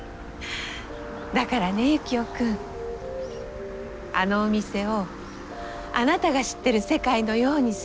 だからねユキオ君あのお店をあなたが知ってる世界のように進めてほしい。